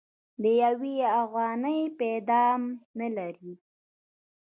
د يوې اوغانۍ پيدام نه لري.